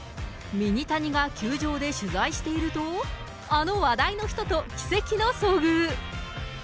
ミニタニが球場で取材していると、あの話題の人と、奇跡の遭遇。